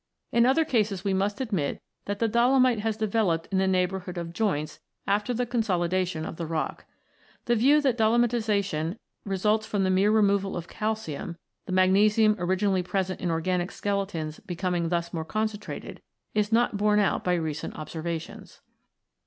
In other cases we must admit that the dolomite has developed in the neighbourhood of joints after the consolidation of the rock. The view that dolomitisation results from the mere removal of calcium, the magnesium originally present in organic skeletons becoming thus more concentrated, is not borne out by recent observations.